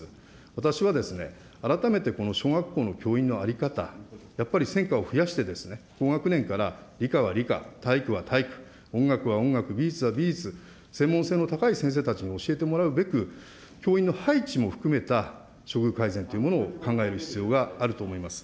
私は、改めてこの小学校の教員の在り方、やっぱり専科を増やして高学年から理科は理科、体育は体育、音楽は音楽、美術は美術、専門性の高い先生たちに教えてもらうべく、教員の配置も含めた処遇改善というものを考える必要があると思います。